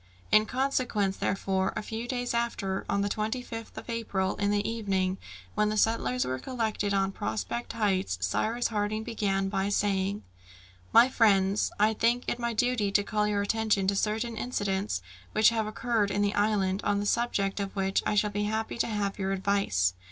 In consequence therefore, a few days after, on the 25th of April, in the evening, when the settlers were all collected on Prospect Heights, Cyrus Harding began by saying, "My friends, I think it my duty to call your attention to certain incidents which have occurred in the island, on the subject of which I shall be happy to have your advice.